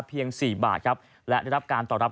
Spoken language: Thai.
เพียง๔บาทครับและได้รับการต่อรับ